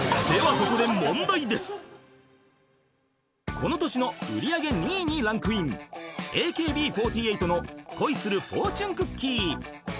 ［この年の売り上げ２位にランクインＡＫＢ４８の『恋するフォーチュンクッキー』］